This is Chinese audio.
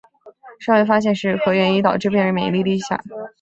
尚未发现是何原因导致病人免疫力低下。